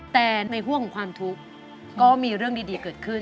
แต่ในห่วงของความทุกข์ก็มีเรื่องดีเกิดขึ้น